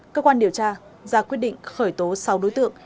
cơ quan điều tra ra quyết định khởi tố sáu đối tượng